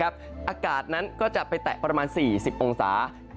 อากาศนั้นก็จะไปแตะประมาณ๔๐องศา